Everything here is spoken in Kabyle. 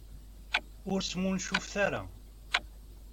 Ur smuncufet ara.